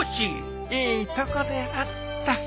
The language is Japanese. いいとこで会った。